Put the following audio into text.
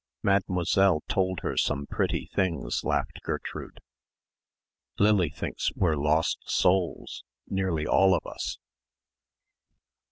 "Mademoiselle told her some pretty things," laughed Gertrude. "Lily thinks we're lost souls nearly all of us."